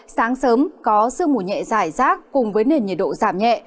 sáng sớm có sương mù nhẹ rải rác cùng nền nhiệt độ giảm nhẹ